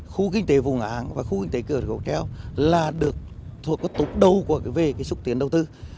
khu kinh tế vụng áng và khu kinh tế cửa cầu treo là được thuộc tục đầu về súc tiến đầu tư